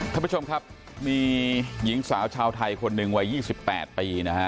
คุณผู้ชมครับมีหญิงสาวชาวไทยคนหนึ่งวัยยี่สิบแปดปีนะฮะ